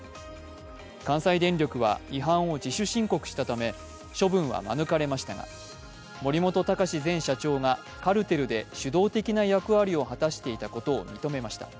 関西電力は違反を自主申告したため処分は免れましたが森本孝前社長がカルテルで主導的な役割を果たしていたことを認めました。